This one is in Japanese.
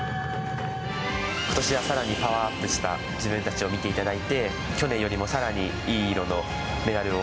今年は更にパワーアップした自分たちを見ていただいて、去年よりも更にいい色のメダルを。